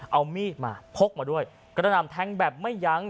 เอามีดมาพกมาด้วยกระหน่ำแทงแบบไม่ยั้ง